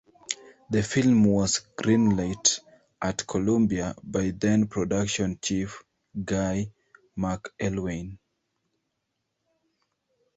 The film was greenlit at Columbia by then-production chief Guy McElwaine.